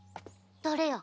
誰や？